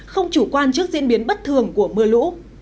không chủ quan trước diễn biến bất thường của mưa lũ